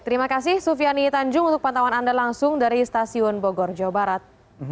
terima kasih sufiani tanjung untuk pantauan anda langsung dari stasiun bogor jawa barat